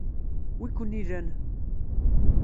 Wi-ken ilan?